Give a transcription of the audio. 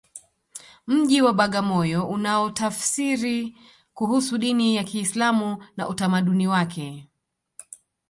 mji wa bagamoyo unaotafsiri kuhusu dini ya kiislamu na utamaduni wake